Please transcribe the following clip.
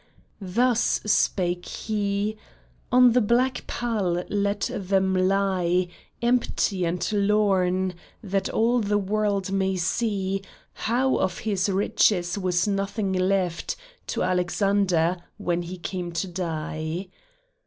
Thus spake he :'' On the black pall let them lie, Empty and lorn, that all the world may see How of his riches there was nothing left To Alexander when he came to die."